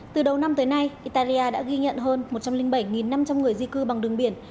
từ đầu năm tới nay italia đã ghi nhận hơn một trăm linh bảy năm trăm linh người di cư bằng đường biển